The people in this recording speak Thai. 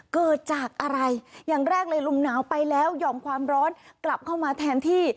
เกิดจากอะไรอย่างแรกเลยลมหนาวไปแล้วหย่อมความร้อนกลับเข้ามาแทนที่